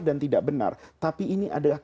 dan tidak benar tapi ini adalah